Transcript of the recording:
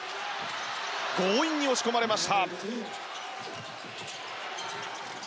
強引に押し込まれました。